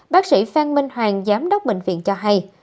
bác sĩ phan minh hoàng giám đốc bệnh viện cho hay